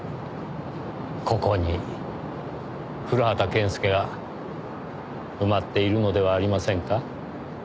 ここに古畑健介が埋まっているのではありませんか？